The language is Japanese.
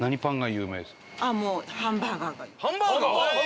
ハンバーガー！